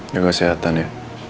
gak kesehatan ya